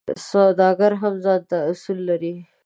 سوداګري هم ځانته اصول لري.